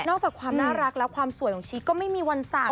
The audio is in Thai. จากความน่ารักแล้วความสวยของชีสก็ไม่มีวันสั่น